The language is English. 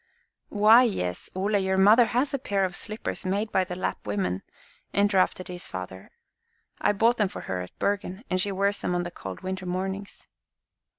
"Why, yes, Ole, your mother has a pair of slippers made by the Lapp women," interrupted his father. "I bought them for her at Bergen, and she wears them on cold winter mornings."